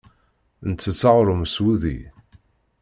Ntett aɣṛum s wudi.